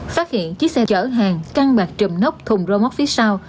phát hiện chiếc xe chở hàng căn bạc trùm nốc thùng rô móc phía sau